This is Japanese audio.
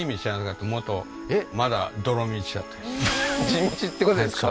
地道ってことですか？